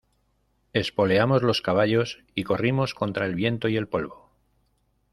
espoleamos los caballos y corrimos contra el viento y el polvo.